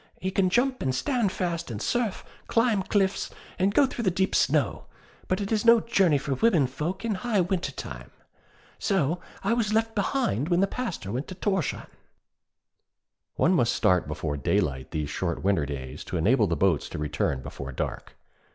He can jump and stand fast in surf, climb cliffs, and go through deep snow. But it is no journey for women folk in high winter time.' So I was left behind when the Pastor went to Thorshavn. One must start before daylight these short winter days to enable the boats to return before dark.